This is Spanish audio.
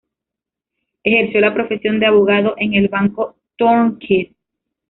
Ejerció la profesión de abogado en el Banco Tornquist.